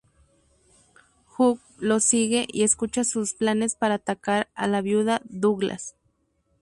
Huck los sigue y escucha sus planes para atacar a la viuda Douglas.